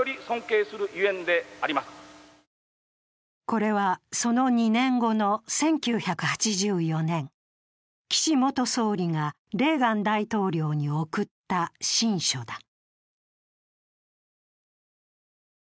これは、その２年後の１９８４年、岸元総理がレーガン大統領に送った親書だ。